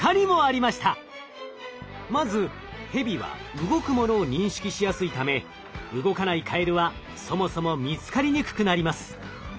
まずヘビは動くものを認識しやすいため動かないカエルはそもそも見つかりにくくなります。